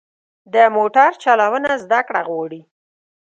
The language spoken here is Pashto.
د موټر چلوونه زده کړه غواړي.